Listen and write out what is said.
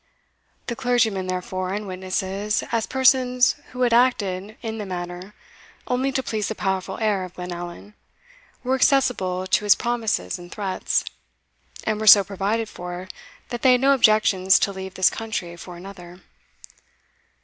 The clergyman, therefore, and witnesses, as persons who had acted in the matter only to please the powerful heir of Glenallan, were accessible to his promises and threats, and were so provided for, that they had no objections to leave this country for another.